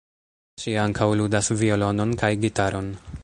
Ŝi ankaŭ ludas violonon kaj gitaron.